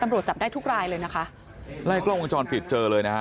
ตำรวจจับได้ทุกรายเลยนะคะไล่กล้องวงจรปิดเจอเลยนะฮะ